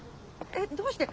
えっどうして。